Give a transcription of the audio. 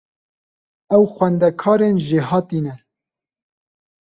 Ew xwendekarên jêhatî ne.